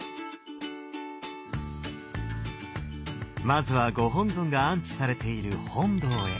まずはご本尊が安置されている本堂へ。